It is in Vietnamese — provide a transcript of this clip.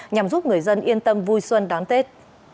nhằm giúp người dân yên tâm vui xuân đón tết